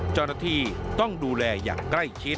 จรภีต้องดูแลอย่างใกล้ชิด